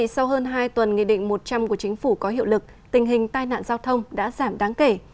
sau hơn hai tuần nghị định một trăm linh của chính phủ có hiệu lực tình hình tai nạn giao thông đã giảm đáng kể